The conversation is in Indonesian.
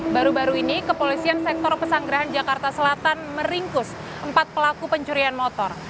baru baru ini kepolisian sektor pesanggerahan jakarta selatan meringkus empat pelaku pencurian motor